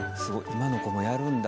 今の子もやるんだ。